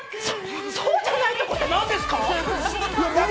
そうじゃないところって、何ですか？